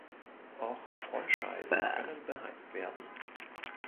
Auch Frontscheiben können beheizt werden.